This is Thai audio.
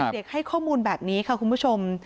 ให้ข้อมูลแบบนี้ค่ะคุณผู้ชม